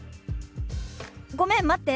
「ごめん待って。